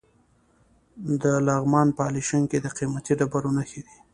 د لغمان په علیشنګ کې د قیمتي ډبرو نښې دي.